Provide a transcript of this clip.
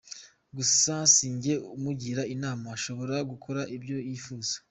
Gusa si jye umugira inama ashobora gukora ibyo yifuza".